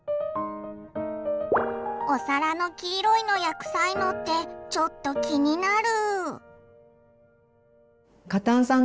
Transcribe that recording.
お皿の黄色いのや臭いのってちょっと気になる。